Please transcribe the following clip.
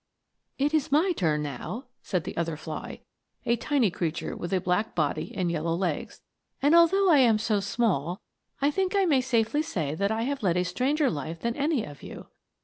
" It is my turn now," said the other fly, a tiny creature with a black body and yellow legs ;" and although I am so small, I think I may safely say that I have led a stranger life than any of you.